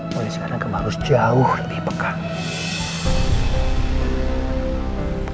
mulai sekarang kemarus jauh lebih pekat